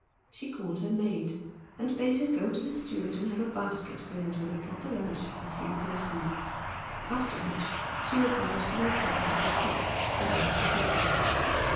She called her maid, and bade her go to the steward and have a basket filled with a proper lunch for three persons, after which she repaired to the apartment of the cook and asked for breakfast.